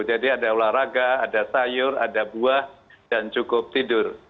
jadi ada olahraga ada sayur ada buah dan cukup tidur